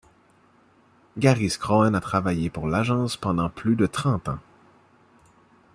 Gary Schroen a travaillé pour l'Agence pendant plus de trente ans.